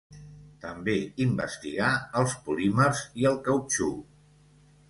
També investigar els polímers i el cautxú.